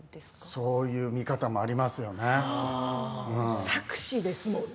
そういう見方もありますよね。